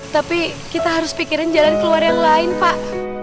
tapi kita harus pikirin jalan keluar yang lain pak